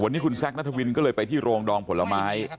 วันนี้คุณแซคนัทวินก็เลยไปที่โรงดองผลไม้